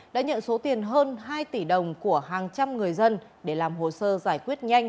đã nhận số tiền hơn hai tỷ đồng của hàng trăm người dân để làm hồ sơ giải quyết nhanh